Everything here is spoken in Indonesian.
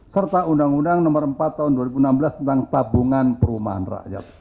serta undang undang nomor empat tahun dua ribu enam belas tentang tabungan perumahan rakyat